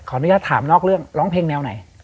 ขอไม่รู้ค่ะถามนอกเรื่องร้องเพลงแนวไหน